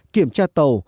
kiểm tra tàu